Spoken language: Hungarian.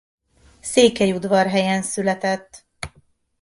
Székelyudvarhelyen született.